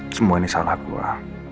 semua ini salah gue